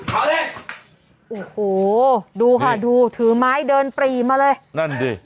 เอาเลยโอ้โหดูค่ะดูถือไม้เดินปรีมาเลยนั่นดิ